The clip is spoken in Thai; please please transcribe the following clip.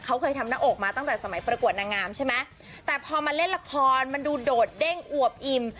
เขาเคยทำหน้าอกมาตั้งแต่สมัยประกวดนางงามใช่ไหมแต่พอมาเล่นละครมันดูโดดเด้งอวบอิ่ม